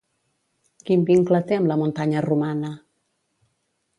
Quin vincle té amb la muntanya romana?